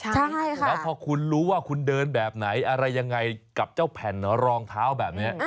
ใช่ค่ะแล้วพอคุณรู้ว่าคุณเดินแบบไหนอะไรยังไงกับเจ้าแผ่นรองเท้าแบบนี้